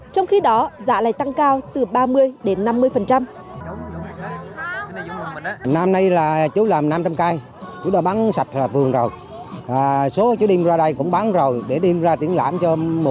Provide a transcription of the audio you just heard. trong khi đó giá lại tăng cao